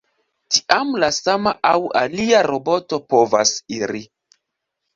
Tiam la sama aŭ alia roboto povas iri.